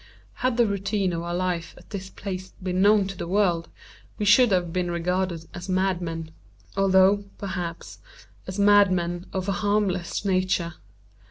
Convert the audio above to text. Had the routine of our life at this place been known to the world, we should have been regarded as madmen—although, perhaps, as madmen of a harmless nature.